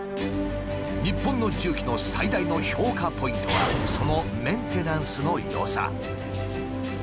日本の重機の最大の評価ポイントはそのメンテナンスの良さ。